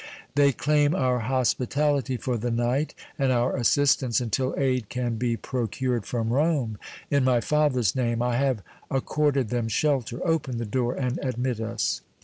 "They claim our hospitality for the night and our assistance until aid can be procured from Rome. In my father's name I have accorded them shelter. Open the door and admit us."